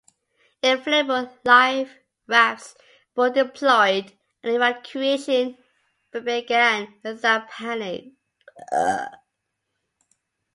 Inflatable life rafts were deployed, and the evacuation began without panic.